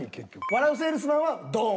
「笑ゥせぇるすまん」は「ドーン！！」。